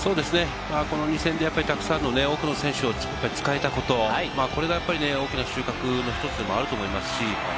この２戦でたくさんの多くの選手を使えたこと、これは大きな収穫の１つでもあると思います。